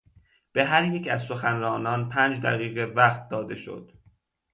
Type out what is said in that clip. به هر یک از سخنرانان پنج دقیقه وقت داده شد.